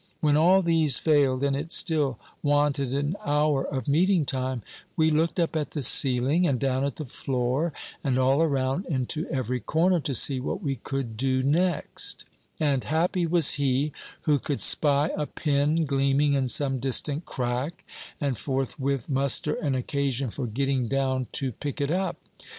When all these failed, and it still wanted an hour of meeting time, we looked up at the ceiling, and down at the floor, and all around into every corner, to see what we could do next; and happy was he who could spy a pin gleaming in some distant crack, and forthwith muster an occasion for getting down to pick it up.